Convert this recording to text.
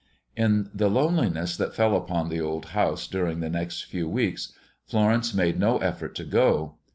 In the loneliness that fell upon the old house during the next few weeks, Florence made no effort to go.